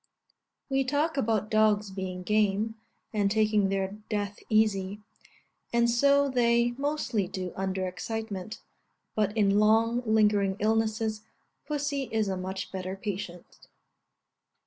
We talk about dogs being game, and taking their death easy; and so they mostly do under excitement; but in long lingering illnesses, pussy is a much better patient.